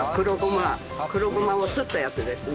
黒ごまをすったやつですね。